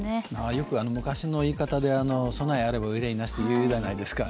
よく昔の言い方で備えあれば憂いなしと言うじゃないですか。